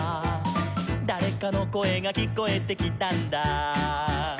「だれかのこえがきこえてきたんだ」